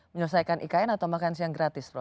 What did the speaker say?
menyelesaikan ikn atau makan siang gratis roh